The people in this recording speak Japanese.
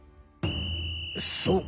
そう！